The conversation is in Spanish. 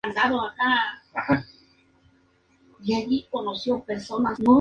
Dicho dvd saldrá bajo los derechos de "Man in The Mountain".